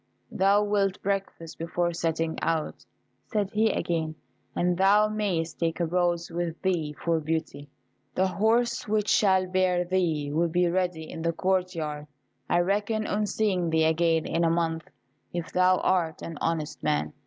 "Thou wilt breakfast before setting out," said he again; "and thou mayest take a rose with thee for Beauty. The horse which shall bear thee will be ready in the court yard. I reckon on seeing thee again in a month, if thou art an honest man.